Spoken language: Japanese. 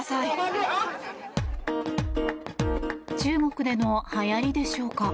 中国でのはやりでしょうか。